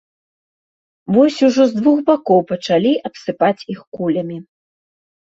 Вось ужо з двух бакоў пачалі абсыпаць іх кулямі.